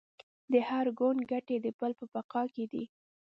د هر ګوند ګټې د بل په بقا کې دي